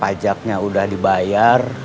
pajaknya udah dibayar